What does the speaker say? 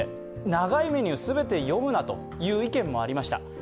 長いメニュー、全て読むなという意見もありました。